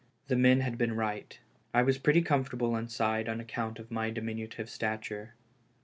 The men had been right. I was pretty com fortable inside on account of my diminutive stature.